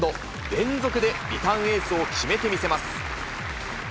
連続でリターンエースを決めてみせます。